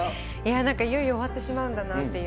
なんか、いよいよ終わってしまうんだなっていう。